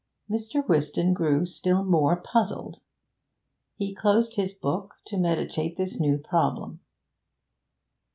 Mr. Whiston grew still more puzzled. He closed his book to meditate this new problem.